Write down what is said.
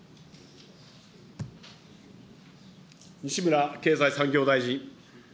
西村経済産業大臣。